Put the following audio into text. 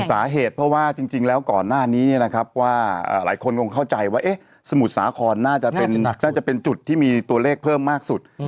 สาเหตุเพราะว่าจริงแล้วก่อนหน้านี้นะครับว่าหลายคนคงเข้าใจว่าสมุทรสาครน่าจะเป็นจุดที่มีตัวเลขเพิ่มมากสุด